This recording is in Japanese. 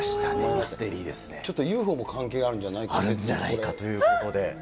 ミステリーでちょっとＵＦＯも関係あるんあるんじゃないかということで。